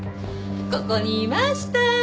ここにいました。